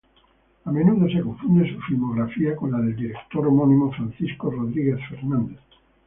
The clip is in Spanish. A menudo se confunde su filmografía con la del director homónimo Francisco Rodríguez Fernández.